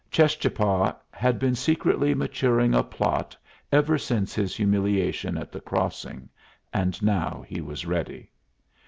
Cheschapah had been secretly maturing a plot ever since his humiliation at the crossing, and now he was ready.